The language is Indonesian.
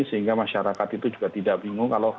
sehingga masyarakat itu juga tidak bingung